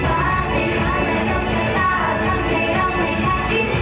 หวานในหาและต้องชนะทำให้รักไม่แพ้ทิ้ง